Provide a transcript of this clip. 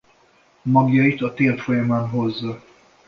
Magjait a tél folyamán hozza.